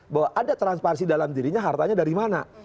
bahwa ada transparansi dalam dirinya hartanya dari mana